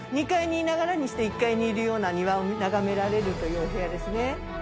２階にいながらにして、１階にいるような庭を眺められるというお部屋ですね。